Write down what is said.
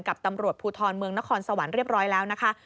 กับตำรวจภูทรเมืองนครสวรรค์เรียบร้อยแล้วนะคะ